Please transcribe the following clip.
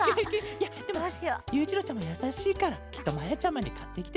いやでもゆういちろうちゃまやさしいからきっとまやちゃまにかってきてたケロよ。